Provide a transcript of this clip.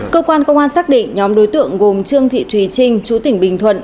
cơ quan công an xác định nhóm đối tượng gồm trương thị thùy trinh chú tỉnh bình thuận